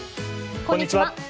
こんにちは。